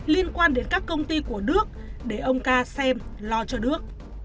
liên quan đến các công ty của đước để ông ca xem lo cho đước